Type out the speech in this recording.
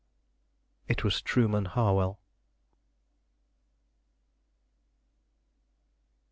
It was Trueman Harwell.